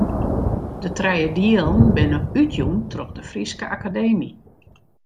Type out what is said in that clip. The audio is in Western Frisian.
De trije dielen binne útjûn troch de Fryske Akademy.